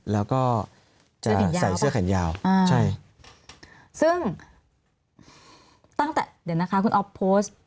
แล้วก็จะใส่เสื้อขันยาวใช่ซึ่งเดี๋ยวนะคะคุณอ๋อบโพสต์